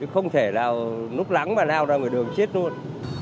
không thể nào núp lắng mà nào ra người đường chết luôn